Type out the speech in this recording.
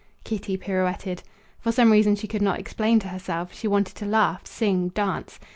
Kitty pirouetted. For some reason she could not explain to herself she wanted to laugh, sing, dance.